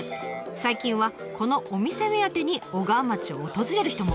最近はこのお店目当てに小川町を訪れる人も。